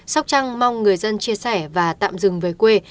sóc trăng mong người dân chia sẻ và tạm dừng về quê